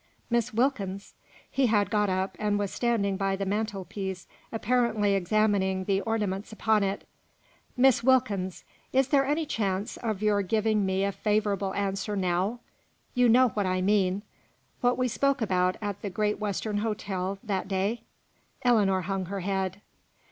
"Miss Wilkins!" (he had got up, and was standing by the mantelpiece, apparently examining the ornaments upon it) "Miss Wilkins! is there any chance of your giving me a favourable answer now you know what I mean what we spoke about at the Great Western Hotel, that day?" Ellinor hung her head.